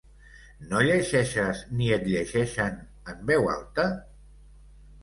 No llegeixes ni et llegeixen en veu alta?